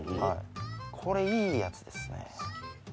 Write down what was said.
・これいいやつですね。